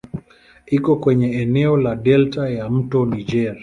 Iko kwenye eneo la delta ya "mto Niger".